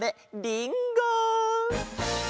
りんご！